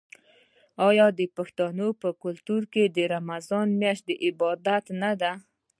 آیا د پښتنو په کلتور کې د رمضان میاشت د عبادت نه ده؟